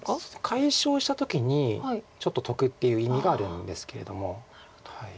解消した時にちょっと得っていう意味があるんですけれども。